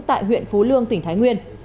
tại huyện phú lương tỉnh thái nguyên